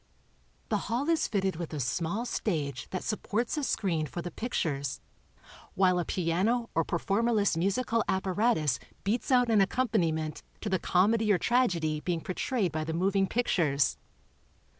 The hall is fitted with a small stage that supports a screen for the pictures, while a piano or performerless musical apparatus beats out an accompaniment to the comedy or tragedy being portrayed by the moving pictures.